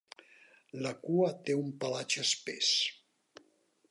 La cua té un pelatge espès.